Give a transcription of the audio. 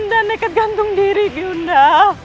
tergantung diri yunda